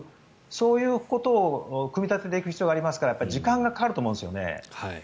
そういうことを組み立てていく必要があるから時間がかかると思うんですね。